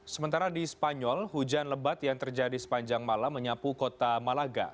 sementara di spanyol hujan lebat yang terjadi sepanjang malam menyapu kota malaga